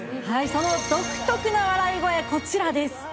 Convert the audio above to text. その独特な笑い声、こちらです。